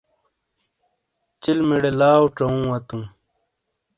چلمیڑے لاؤ ژاؤوں وتوں۔